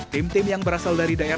tim tim yang berasal dari daerah